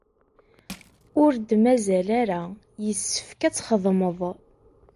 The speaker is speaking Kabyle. Ur d-mazal ara yessefk ad txedmeḍ.